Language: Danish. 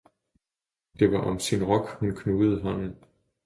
det var om sin rok hun knugede hånden.